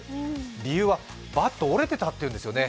理由は、バット折れてたっていうんですよね。